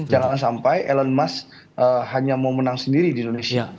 jangan sampai elon musk hanya mau menang sendiri di indonesia